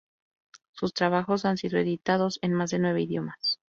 Sus trabajos han sido editados en más de nueve idiomas.